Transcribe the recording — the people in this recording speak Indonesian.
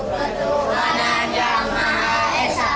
satu ketua nanda maha esa